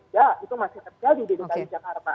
ya itu masih terjadi di dki jakarta